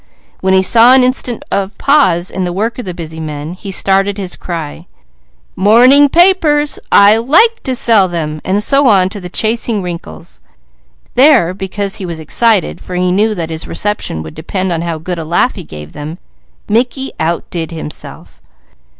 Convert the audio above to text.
When he saw an instant of pause in the work of the busy man, he started his cry: "Morning papers! I like to sell them!" and so on to the "Chasing Wrinkles." There because he was excited, for he knew that his reception would depend on how good a laugh he gave them, Mickey outdid himself.